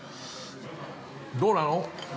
どうなの？